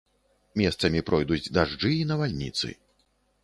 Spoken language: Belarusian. Месцамі пройдуць дажджы і навальніцы.